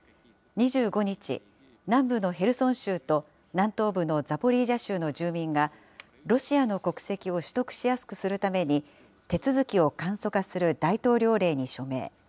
２５日、南部のヘルソン州と南東部のザポリージャ州の住民が、ロシアの国籍を取得しやすくするために、手続きを簡素化する大統領令に署名。